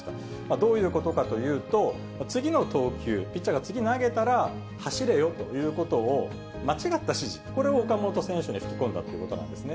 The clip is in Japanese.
どういうことかというと、次の投球、ピッチャーが次投げたら走れよということを、間違った指示、これを岡本選手に吹き込んだということなんですね。